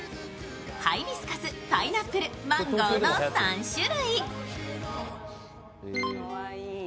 ハイビスカス、パイナップルマンゴーの３種類。